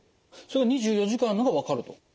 それは２４時間のが分かると。